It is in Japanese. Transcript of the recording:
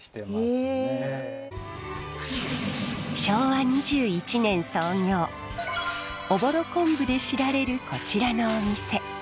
昭和２１年創業おぼろ昆布で知られるこちらのお店。